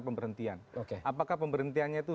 pemberhentian apakah pemberhentiannya itu